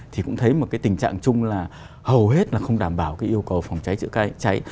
thì cũng thấy một cái tình trạng chung là hầu hết là không đảm bảo cái yêu cầu phòng cháy chữa cháy